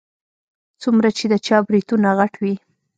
څومره چې د چا برېتونه غټ وي.